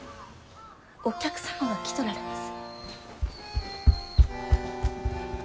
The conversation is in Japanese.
お客様が来とられます。